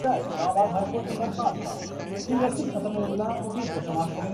بڑھا دیے ہیں